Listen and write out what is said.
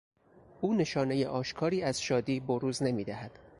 او نشانهی آشکاری از شادی بروز نمیدهد.